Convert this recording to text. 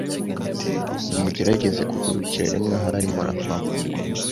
Nimugerageze kugurukira rimwe ahari muravamo